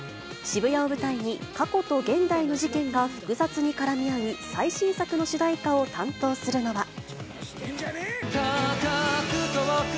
渋谷を舞台に、過去と現代の事件が複雑に絡み合う最新作の主題歌を担当するのは。